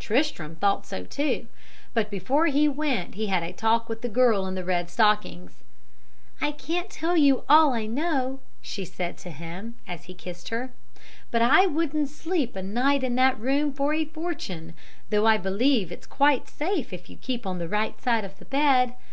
"Tristram thought so too, but before he went he had a talk with the girl in the red stockings. "'I can't tell you all I know,' she said to him, as he kissed her; 'but I wouldn't sleep a night in that room for a fortune, though I believe it's quite safe if you keep on the right side of the bed.